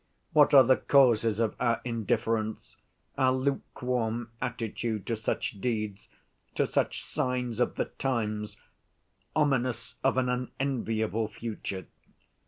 What are the causes of our indifference, our lukewarm attitude to such deeds, to such signs of the times, ominous of an unenviable future?